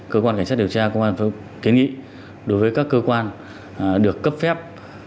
cơ quan cảnh sát điều tra cơ quan phòng đội đề nghị đối với các cơ quan được cấp phép